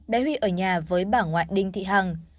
bé huy ở nhà với bà ngoại đinh thị hằng